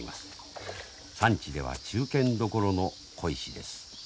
産地では中堅どころの鯉師です。